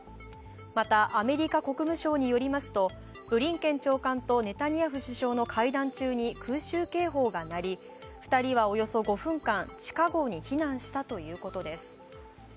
また、アメリカ国務省によりますとブリンケン長官とネタニヤフ首相の会談中に空襲警報が鳴り、２人はおよそ５分間、地下ごうに避難したということです。